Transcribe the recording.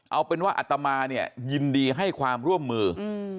เอาเป็นว่าอัตมาเนี่ยยินดีให้ความร่วมมือ